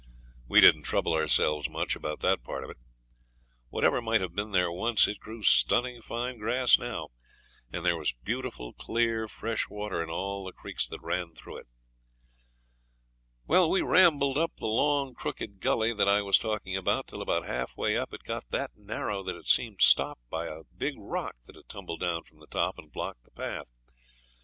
We didn't trouble ourselves much about that part of it. Whatever might have been there once, it grew stunning fine grass now, and there was beautiful clear fresh water in all the creeks that ran through it. Well, we rambled up the long, crooked gully that I was talking about till about half way up it got that narrow that it seemed stopped by a big rock that had tumbled down from the top and blocked the path.